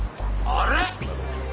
あれ？